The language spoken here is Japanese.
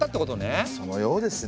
そのようですね。